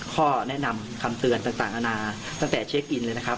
ข้อแนะนำคำเตือนต่างอาณาตั้งแต่เช็คอินเลยนะครับ